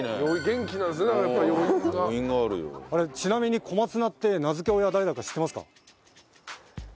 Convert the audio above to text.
ちなみに小松菜って名付け親は誰だか知ってますか？